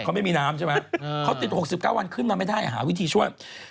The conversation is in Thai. เขาไม่มีน้ำใช่ไหมเขาติด๖๙วันขึ้นมาไม่ได้หาวิธีช่วย